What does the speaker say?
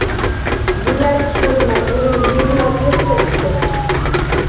ჟი ლა̈ჲსგურე მა̈გ ურემჟი̄ნ ი ადჲე ცხეკთე.